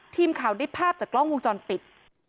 ทีมข่าวได้ภาพจากกล้องวงจรปิด